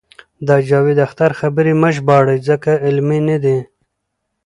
د جاوید اختر خبرې مه ژباړئ ځکه علمي نه دي.